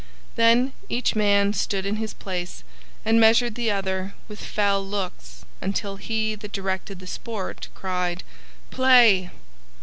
Then each man stood in his place and measured the other with fell looks until he that directed the sport cried, "Play!"